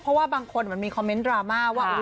เพราะว่าบางคนมันมีคอมเมนต์ดราม่าว่า